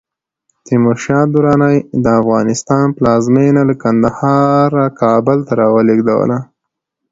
تیمور شاه دراني د افغانستان پلازمېنه له کندهاره کابل ته راولېږدوله.